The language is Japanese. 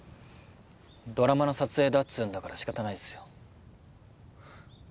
ドラマの撮影だっつぅんだからしかたないっすよ。